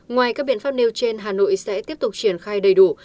ngoài các biện pháp nêu trên hà nội sẽ tiếp tục triển khai đầy đủ